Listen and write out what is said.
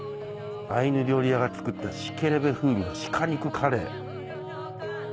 「アイヌ料理屋が作ったシケレベ風味の鹿肉カレー」。